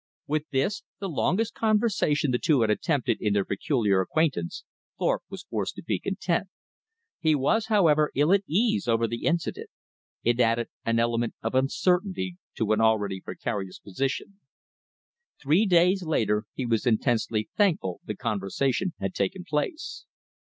With this, the longest conversation the two had attempted in their peculiar acquaintance, Thorpe was forced to be content. He was, however, ill at ease over the incident. It added an element of uncertainty to an already precarious position. Three days later he was intensely thankful the conversation had taken place.